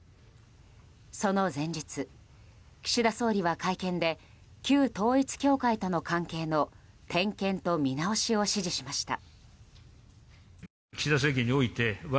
その前日、岸田総理は会見で旧統一教会との関係の点検と見直しを指示しました。